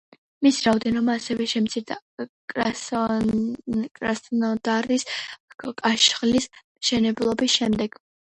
მისი რაოდენობა ასევე შემცირდა კრასნოდარის კაშხლის მშენებლობის შემდეგ.